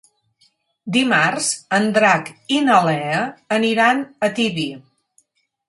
Dimarts en Drac i na Lea aniran a Tibi.